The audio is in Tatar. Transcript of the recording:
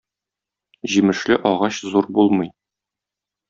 Җимешле агач зур булмый.